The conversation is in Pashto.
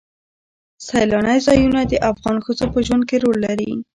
سیلانی ځایونه د افغان ښځو په ژوند کې رول لري.